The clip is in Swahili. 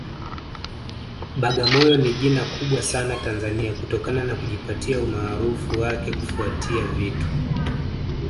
Bagamoyo ni jina kubwa sana Tanzania kutokana na kujipatia umaarufu wake kufuatia vitu